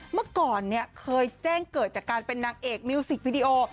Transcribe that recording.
เมื่อก่อนเนี่ยเคยแจ้งเกิดจากการเป็นนางเอกมิวสิกวิดีโอ